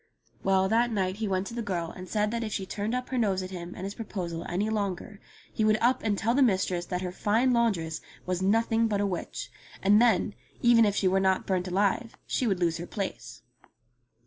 Well, that night he went to the girl and said that if she turned up her nose at him and his proposal any longer, he would up and tell the mistress that her fine laundress was nothing but a witch ; and then, even if she were not burnt alive, she would lose her place.